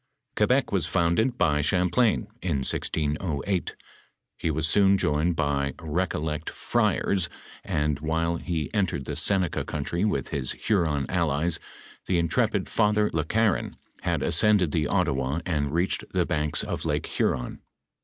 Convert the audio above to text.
Quebec was founded by Ghamplain, in 1608. He was soon joined by Eecollect friars, and while he entered the Seneca country with his Huron allies, the intrepid Father Le Garon had ascended the Ottawa and reached the banks of Lake Huron.